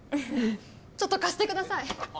ちょっと貸してください。